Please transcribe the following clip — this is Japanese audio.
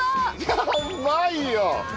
やっばいよ！